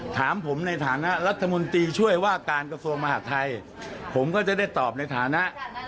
ถามผมในฐานะรัฐมนตรีช่วยว่าการกระทรวงมหาดไทยผมก็จะได้ตอบในฐานะ